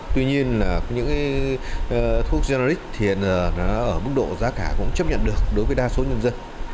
tuy nhiên là những thuốc genrix thì hiện ở mức độ giá cả cũng chấp nhận được đối với đa số nhân dân